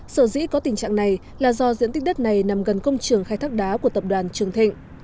sở dĩ có tình trạng này là do diện tích đất này nằm gần công trường khai thác đá của tập đoàn trường thịnh